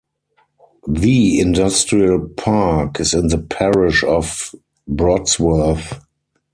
The industrial park is in the parish of Brodsworth.